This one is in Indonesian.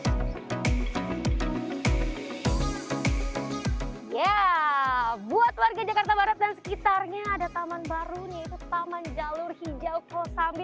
hai ya buat warga jakarta barat dan sekitarnya ada taman barunya itu taman jalur hijau kosambi